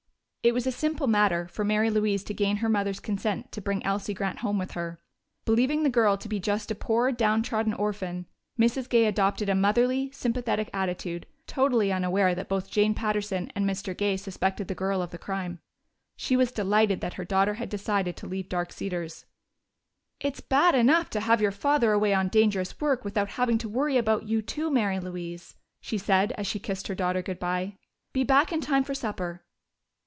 It was a simple matter for Mary Louise to gain her mother's consent to bring Elsie Grant home with her. Believing the girl to be just a poor downtrodden orphan, Mrs. Gay adopted a motherly, sympathetic attitude, totally unaware that both Jane Patterson and Mr. Gay suspected the girl of the crime. She was delighted that her daughter had decided to leave Dark Cedars. "It's bad enough to have your father away on dangerous work, without having to worry about you too, Mary Louise," she said as she kissed her daughter good bye. "Be back in time for supper."